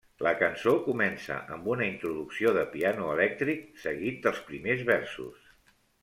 La cançó comença amb una introducció de piano elèctric, seguit dels primers versos.